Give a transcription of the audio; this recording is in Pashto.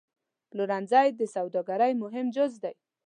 پلورنځی د سوداګرۍ مهم جز دی.